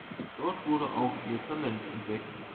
Dort wurde auch ihr Talent entdeckt.